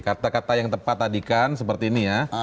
kata kata yang tepat tadi kan seperti ini ya